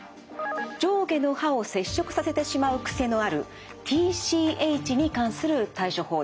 上下の歯を接触させてしまう癖のあるＴＣＨに関する対処法です。